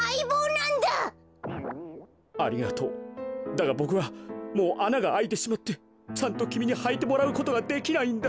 だがボクはもうあながあいてしまってちゃんときみにはいてもらうことができないんだ。